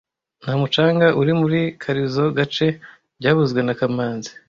Nta mucanga uri muri karizoa gace byavuzwe na kamanzi